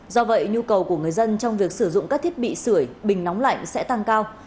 do vậy nhu cầu của người dân trong việc sử dụng các thiết bị sửa bình nóng lạnh sẽ tăng cao